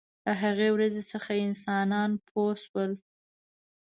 له هغې ورځې څخه چې انسانان پوه شول.